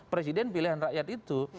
presiden pilihan rakyat itu